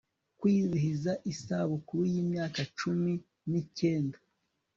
kwizihiza isabukuru yimyaka cumi nikenda